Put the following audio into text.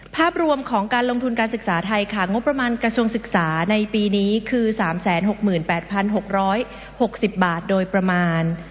ภาพรวมของการลงทุนการศึกษาไทยค่ะงบประมาณกระทรวงศึกษาในปีนี้คือสามแสนหกหมื่นแปดพันหกร้อยหกสิบบาทโดยประมาณ